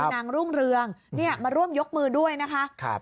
รุ่งเรืองมาร่วมยกมือด้วยนะคะ